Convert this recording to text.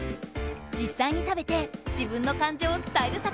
じっさいに食べて自分の感情を伝える作戦だ！